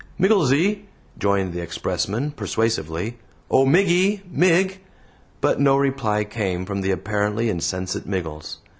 "Migglesy!" joined the expressman, persuasively. "O Miggy! Mig!" But no reply came from the apparently insensate Miggles.